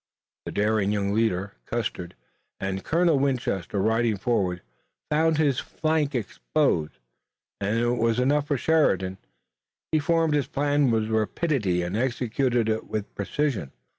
The daring young leader, Custer, and Colonel Winchester, riding forward, found his flank exposed, and it was enough for Sheridan. He formed his plan with rapidity and executed it with precision.